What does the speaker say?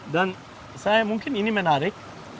dan saya mungkin ini menarik